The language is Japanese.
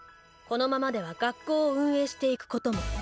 このままでは学校を運営していくことも。